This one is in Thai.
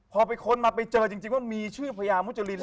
พอไปค้นมาไปเจอจริงว่ามีชื่อพญามุจริน